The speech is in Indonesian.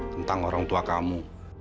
tentang orang tua kamu